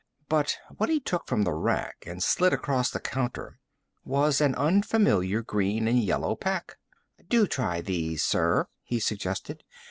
But what he took from the rack and slid across the counter was an unfamiliar green and yellow pack. "Do try these, sir," he suggested.